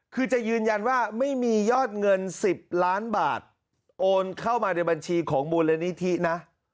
คือจะยืนยันว่าไม่มียอดเงิน๑๐ล้านบาทโอนเข้ามาในบัญชีของมูลนิธินะ